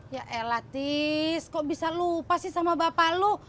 ya e latis kok bisa lupa sih sama bapak lu